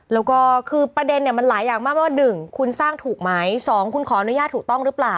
แล้วก็คือประเด็นเนี่ยมันหลายอย่างมากว่า๑คุณสร้างถูกไหม๒คุณขออนุญาตถูกต้องหรือเปล่า